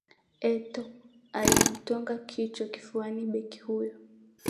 etoo alimtwanga kichwa kifuani beki huyo